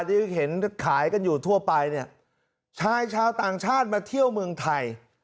ที่เห็นขายกันอยู่ทั่วไปเนี่ยชายชาวต่างชาติมาเที่ยวเมืองไทย